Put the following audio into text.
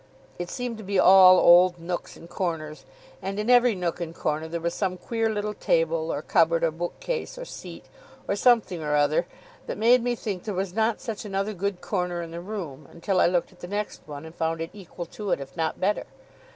It seemed to be all old nooks and corners; and in every nook and corner there was some queer little table, or cupboard, or bookcase, or seat, or something or other, that made me think there was not such another good corner in the room; until I looked at the next one, and found it equal to it, if not better.